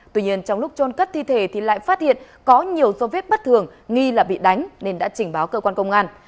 tuy nhiên trong lúc trôn cất thi thể thì lại phát hiện có nhiều dấu vết bất thường nghi là bị đánh nên đã trình báo cơ quan công an